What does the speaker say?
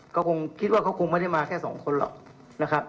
ก็คงคิดว่าเขาคงไม่ได้มาแค่สองคนหรอกนะครับ